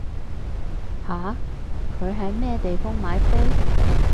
吓？佢喺咩地方買飛？